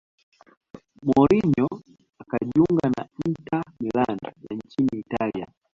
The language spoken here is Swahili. mourinho akajiunga na inter milan ya nchini italia